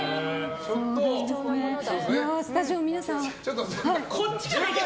スタジオの皆さん。